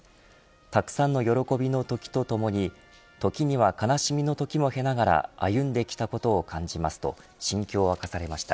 たくさんの喜びの時とともにときには悲しみのときも経ながら歩んできたことを感じますと心境を明かされました。